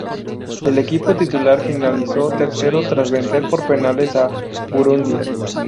El equipo titular finalizó tercero tras vencer por penales a Burundi.